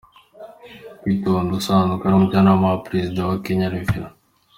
Kitonga usanzwe ari Umujyanama wa Perezida wa Kenya , Rev.